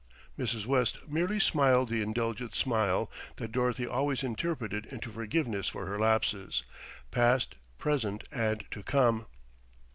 Mrs. West merely smiled the indulgent smile that Dorothy always interpreted into forgiveness for her lapses, past, present and to come.